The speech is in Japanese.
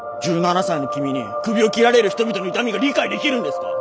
１７才の君にクビを切られる人々の痛みが理解できるんですか。